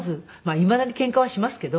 いまだにケンカはしますけど。